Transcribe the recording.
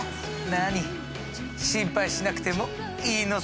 なに心配しなくてもいいのさ。